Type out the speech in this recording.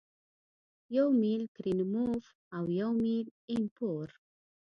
یو میل کرینموف او یو میل ایم پور